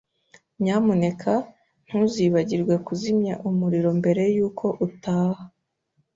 Nyamuneka ntuzibagirwe kuzimya umuriro mbere yuko utaha.